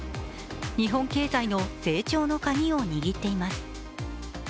日本経済の成長のカギを握っています。